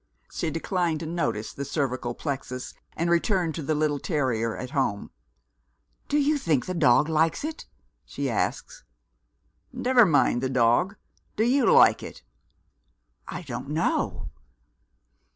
She declined to notice the Cervical Plexus, and returned to the little terrier at home. "Do you think the dog likes it?" she asked. "Never mind the dog. Do you like it?" "I don't know."